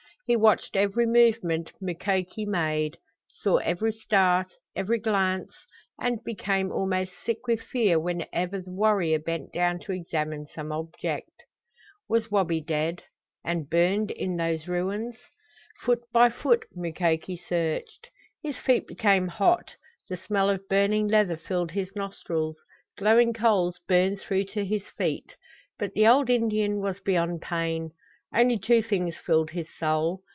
He watched every movement Mukoki made; saw every start, every glance, and became almost sick with fear whenever the warrior bent down to examine some object. Was Wabi dead and burned in those ruins? Foot by foot Mukoki searched. His feet became hot; the smell of burning leather filled his nostrils; glowing coals burned through to his feet. But the old Indian was beyond pain. Only two things filled his soul.